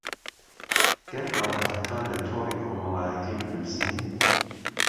گەر بابەتەکان لەتۆڕی کۆمەڵایەتی بنووسین